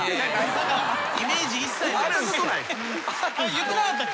言ってなかったっけ？